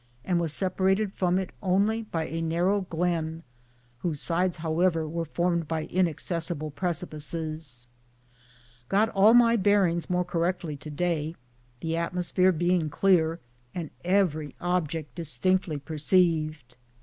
and was separated from it only by a narrow glen, whose sides, however, were formed by inaccessible precipices. Got all my bearings more correctly to day, the atmosphere being clear and every object distinctly perceived.